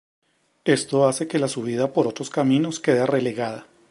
Esto hace que la subida por otros caminos quede relegada.